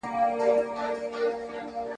د چا هلته کښې نهرونه٬ د چا دلته ډک جامونه